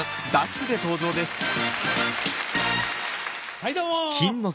はいどうも！